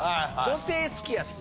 女性好きやし。